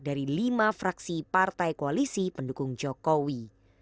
dari lima fraksi partai koalisi pendukung jokowi